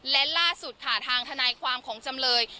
และล่าสุดค่ะทางทนายความของจำเลย